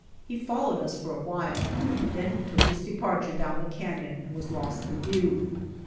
He fol lowed us for a while, then took his departure down the canyon and was lost to view.